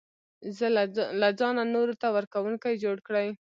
له ځانه نورو ته ورکوونکی جوړ کړي.